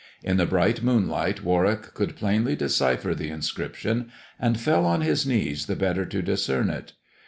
In the bright moonlight Warwick could plainly decipher the inscription, and fell on his knees the better to discern it.